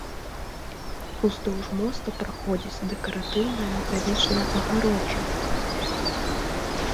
Уздоўж моста праходзіць дэкаратыўная металічная агароджа.